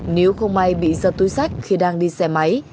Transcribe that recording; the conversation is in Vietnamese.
nếu không may bị giật túi sách khi đang đi xe máy